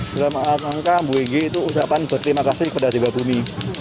dalam alat angka buigi itu usahakan berterima kasih kepada dewa bumi